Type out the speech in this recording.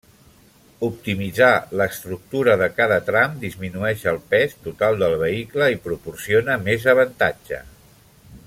Optimitzar l'estructura de cada tram disminueix el pes total del vehicle i proporciona més avantatge.